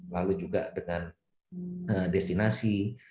lalu juga dengan destinasi